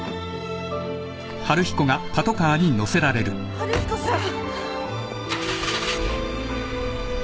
春彦さん。